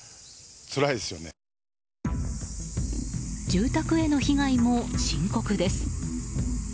住宅への被害も深刻です。